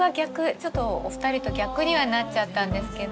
ちょっとお二人と逆にはなっちゃったんですけど。